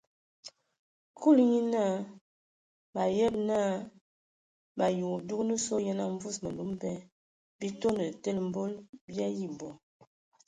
Kulu nye naa : mǝ ayəbǝ! mǝ ayi wa dugan sɔ yen a mvus mǝlu mǝbɛ, bii toane tele mbol bii ayi bɔ.